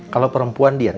kalau perempuan dian